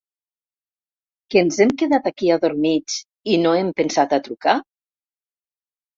Que ens hem quedat aquí adormits i no hem pensat a trucar?